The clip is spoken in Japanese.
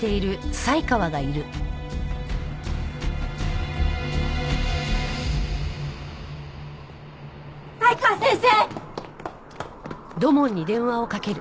才川先生！